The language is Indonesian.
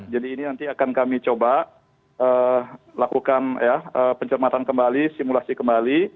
jadi ini nanti akan kami coba lakukan pencermatan kembali simulasi kembali